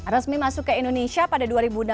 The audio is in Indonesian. resmi masuk ke indonesia pada dua ribu enam belas